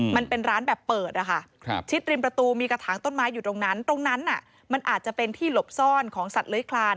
มันเป็นร้านแบบเปิดนะคะชิดริมประตูมีกระถางต้นไม้อยู่ตรงนั้นตรงนั้นมันอาจจะเป็นที่หลบซ่อนของสัตว์เลื้อยคลาน